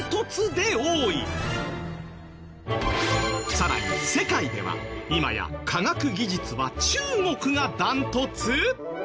更に世界では今や科学技術は中国がダントツ？